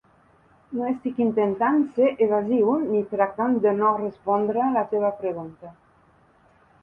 No estic intentant ser evasiu ni tractant de no respondre la teva pregunta.